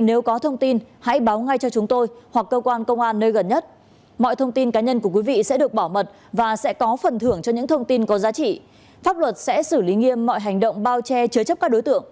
nếu có thông tin hãy báo ngay cho chúng tôi hoặc cơ quan công an nơi gần nhất mọi thông tin cá nhân của quý vị sẽ được bảo mật và sẽ có phần thưởng cho những thông tin có giá trị pháp luật sẽ xử lý nghiêm mọi hành động bao che chứa chấp các đối tượng